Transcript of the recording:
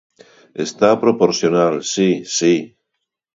¡Está proporcional, si, si!